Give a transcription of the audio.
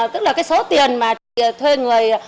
tức là cái số tiền mà thuê người